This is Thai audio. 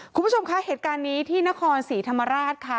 คุณผู้ชมคะเหตุการณ์นี้ที่นคร๔ถมาราชนะคะ